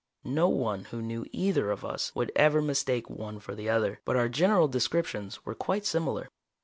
No one who knew either of us would ever mistake one for the other, but our general descriptions were quite similar.